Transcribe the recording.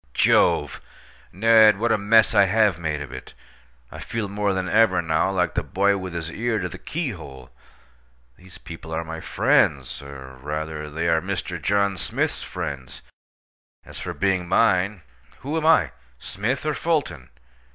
Jove! Ned, what a mess I have made of it! I feel more than ever now like the boy with his ear to the keyhole. These people are my friends—or, rather, they are Mr. John Smith's friends. As for being mine—who am I, Smith, or Fulton?